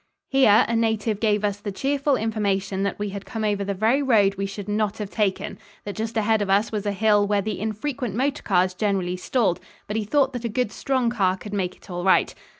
Here a native gave us the cheerful information that we had come over the very road we should not have taken; that just ahead of us was a hill where the infrequent motor cars generally stalled, but he thought that a good strong car could make it all right.